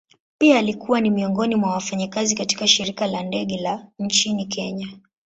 Pia alikuwa ni miongoni mwa wafanyakazi katika shirika la ndege la nchini kenya.